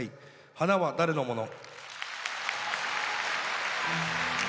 「花は誰のもの？」。